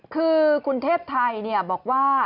คือคุณเทพทรทรรย์บอกว่า